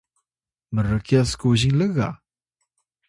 mrkyas kuzing lga